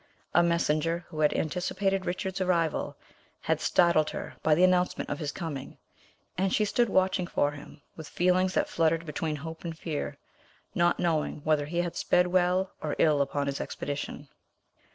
A messenger, who had anticipated Richard's arrival, had startled her by the announcement of his coming, and she stood watching for him with feelings that fluttered between hope and fear, not knowing whether he had sped well or ill upon his expedition.